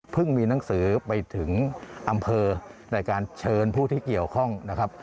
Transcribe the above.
มีหนังสือไปถึงอำเภอในการเชิญผู้ที่เกี่ยวข้องนะครับ